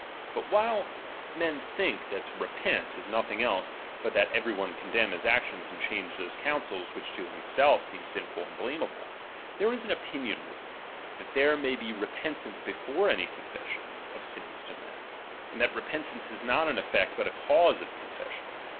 But while men think that to repent, is nothing else, but that RELIGION. 285 tliQ puniU kvho ^very one condemn Lis actions and change those cuap.: ■«;ounsel8 which to himself seem sinful and blame .j^^^^^ ^ble ; there is an opinion risen, that there may be « repentance before any confession of sins to men, a.iid that repentance is not an eflfect, but a cause of c:onfession.